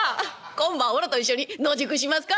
今晩おらと一緒に野宿しますか？」。